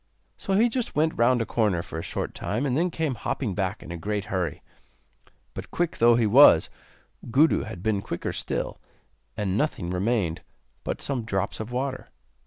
So he just went round a corner for a short time, and then came hopping back in a great hurry. But, quick though he was, Gudu had been quicker still, and nothing remained but some drops of water.